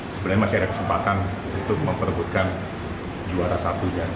sebenarnya masih ada kesempatan untuk memperbutkan juara